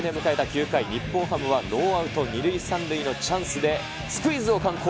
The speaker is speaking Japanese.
９回、日本ハムはノーアウト２塁３塁のチャンスで、スクイズを敢行。